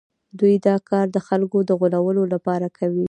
دوی دا کار د خلکو د غولولو لپاره کوي